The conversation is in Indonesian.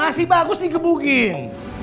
masih bagus digebugin